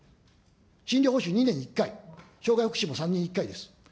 診療報酬２年に１回、障害福祉も３年に１回です。